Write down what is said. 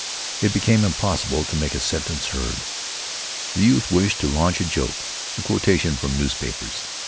It became impossible to make a sentence heard. The youth wished to launch a joke a quotation from newspapers.